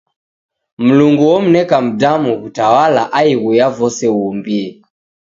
Mlungu omneka mdamu w'utawala aighu ya vose uumbie.